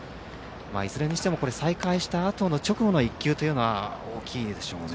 いずれにしても再開したあとの直後の１球は大きいでしょうね。